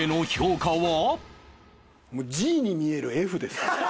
もうＧに見えるＦです。